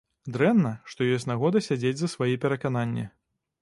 Дрэнна, што ёсць нагода сядзець за свае перакананні.